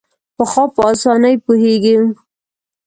پخوا په اسانۍ پوهېږو.